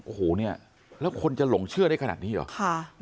โอ้โหเนี่ยแล้วคนจะหลงเชื่อได้ขนาดนี้เหรอ